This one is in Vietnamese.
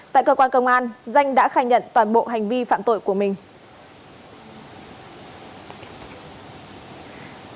tại cơ quan công an danh đã khai nhận toàn bộ hành vi phạm tội của mình